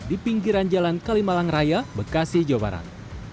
di pinggiran jalan kalimalang raya bekasi jawa barat